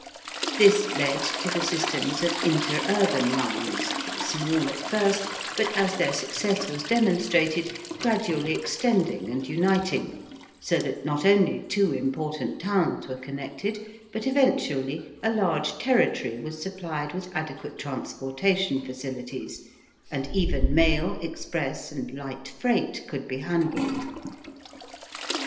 This led to the systems of interurban lines, small at first, but as their success was demonstrated, gradually extending and uniting so that not only two important towns were connected, but eventually a large territory was supplied with adequate transportation facilities and even mail, express, and light freight could be handled.